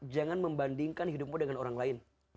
jangan membandingkan hidupmu dengan orang lain